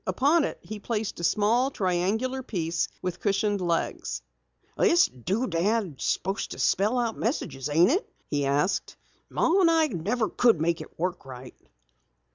Upon it he placed a small, triangular piece with cushioned legs. "This do dad is supposed to spell out messages, ain't it?" he asked. "Ma and I could never make it work right."